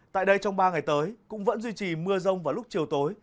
tại đây trong ba ngày tới cũng vẫn duy trì mưa rông vào lúc chiều tối